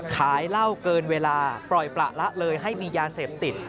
ขายเหล้าเกินเวลาปล่อยประละเลยให้มียาเสพติด